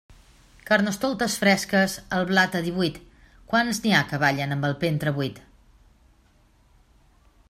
Carnestoltes fresques, el blat a divuit, quants n'hi ha que ballen amb el ventre buit.